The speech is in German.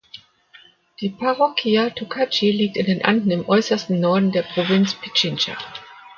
Die Parroquia Tocachi liegt in den Anden im äußersten Norden der Provinz Pichincha.